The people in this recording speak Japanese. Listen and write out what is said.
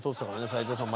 斎藤さん